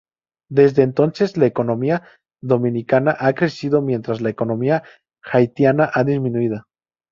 Desde entonces, la economía dominicana ha crecido mientras la economía haitiana ha disminuido.